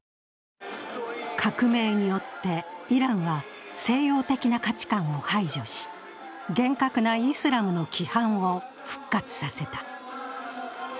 革命によってイランは西洋的な価値観を排除し、厳格なイスラムの規範を復活させた。